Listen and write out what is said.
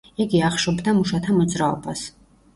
იგი ახშობდა მუშათა მოძრაობას.